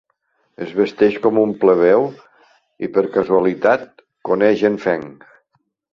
Es vesteix com un plebeu i, per casualitat, coneix en Feng.